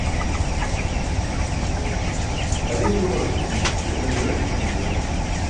Ariin dumaras cum besan jooin senum juwan.